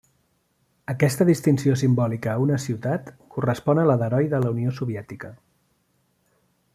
Aquesta distinció simbòlica a una ciutat correspon a la d'Heroi de la Unió Soviètica.